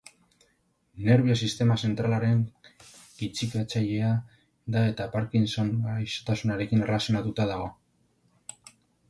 Nerbio-sistema zentralaren kitzikatzailea da eta Parkinson gaixotasunarekin erlazionatuta dago.